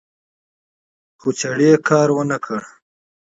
خو چړې کار ونکړ